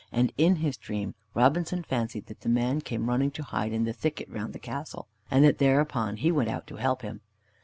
And in his dream Robinson fancied that the man came running to hide in the thicket round the castle, and that thereupon he went out to help him.